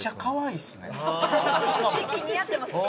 雰囲気似合ってますよ。